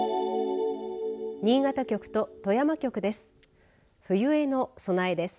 新潟局と富山局です。